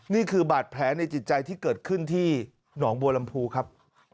นี่คือบาดแผลในจิตใจที่เกิดขึ้นที่หนองบัวลำพูครับ